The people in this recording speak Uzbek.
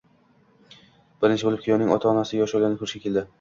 Birinchi bo`lib kuyovning ota-onasi yosh oilani ko`rishga keldi